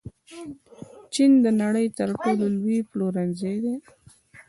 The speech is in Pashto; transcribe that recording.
چین د نړۍ تر ټولو لوی پلورنځی دی.